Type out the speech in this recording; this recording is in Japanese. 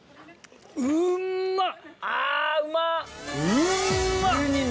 うんまっ！